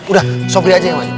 udah sobri aja ya